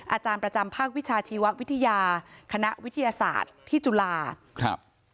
อาจารย์ประจำภาควิชาชีววิทยาคณะวิทยาศาสตร์ที่จุฬาครับ